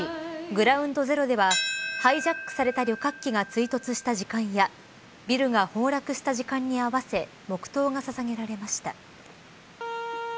グラウンド・ゼロではハイジャックされた旅客機が追突した時間やビルが崩落した時間に合わせ黙とうがささげられました。